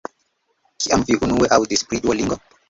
Kiam vi unue aŭdis pri Duolingo?